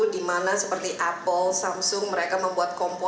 di mana seperti apple samsung mereka membuat komponen